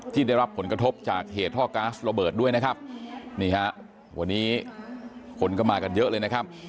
ที่ได้รับผลกระทบจากเหตุท่อก๊าซระเบิดด้วยนะครับนี่ฮะวันนี้คนก็มากันเยอะเลยนะครับ